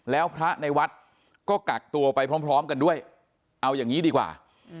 แล้วพระในวัดก็กักตัวไปพร้อมกันด้วยเอาอย่างนี้ดีกว่า